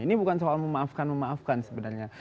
ini bukan soal memaafkan memaafkan sebenarnya